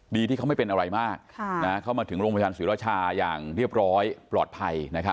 ที่เขาไม่เป็นอะไรมากเข้ามาถึงโรงพยาบาลศรีราชาอย่างเรียบร้อยปลอดภัย